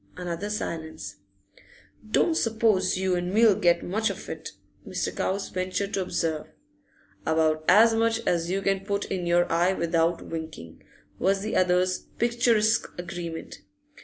Another silence. 'Don't suppose you and me 'll get much of it,' Mr. Cowes ventured to observe. 'About as much as you can put in your eye without winkin',' was the other's picturesque agreement.